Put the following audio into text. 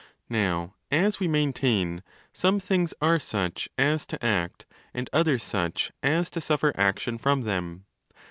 Now, as we maintain,? some things are such as to act and others such as to suffer action from them.